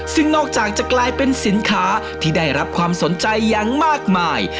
ซึ่งนอกจากจะกลายเป็นสินค้าที่ได้รับความสนใจอย่างมากมาย